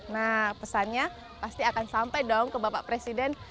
nah pesannya pasti akan sampai dong ke bapak presiden